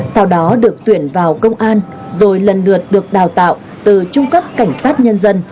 sau đó được tuyển vào công an rồi lần lượt được đào tạo từ trung cấp cảnh sát nhân dân